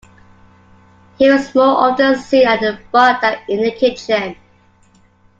He was more often seen at the bar than in the kitchen.